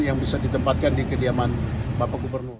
yang bisa ditempatkan di kediaman bapak gubernur